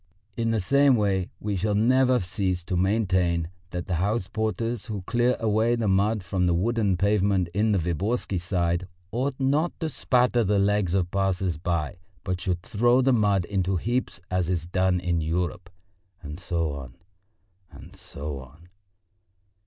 In the same way we shall never cease to maintain that the house porters who clear away the mud from the wooden pavement in the Viborgsky Side ought not to spatter the legs of passers by, but should throw the mud up into heaps as is done in Europe," and so on, and so on.